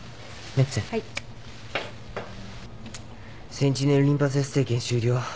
センチネルリンパ節生検終了。